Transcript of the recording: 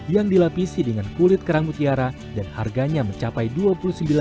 yang dikirim dengan kerajinan kerang yang paling murah adalah gantungan kunci yang dijual dengan harga dua belas ribu rupiah